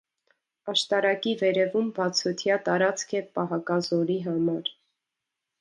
Աշտարակի վերևում բացօթյա տարածք է պահակազորի համար։